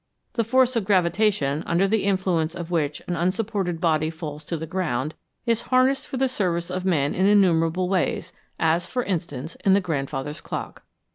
The force of gravitation, under the influence of which an unsupported body falls to the ground, is harnessed for the service of man in innumerable ways, as, for instance, in the grandfather's clock.